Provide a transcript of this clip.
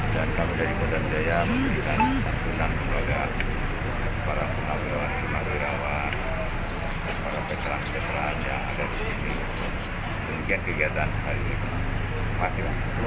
dan kemudian kelihatan hari ini